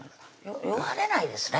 酔われないですね